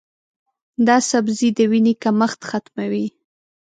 دا سبزی د وینې کمښت ختموي.